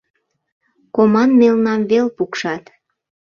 Команмелнам вел пукшат.